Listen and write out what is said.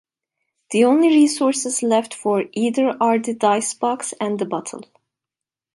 The only resources left for either are the dice-box and the bottle.